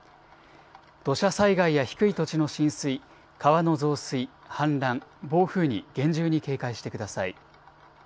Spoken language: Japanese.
土砂災害や低い土地の浸水、川の増水、氾濫、暴風に厳重に警戒してください。